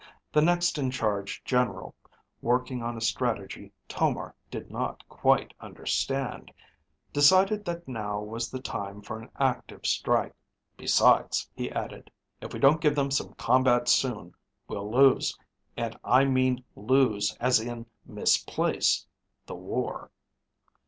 The next in charge general, working on a strategy Tomar did not quite understand, decided that now was the time for an active strike. "Besides," he added, "if we don't give them some combat soon, we'll lose and I mean lose as in 'misplace' the war."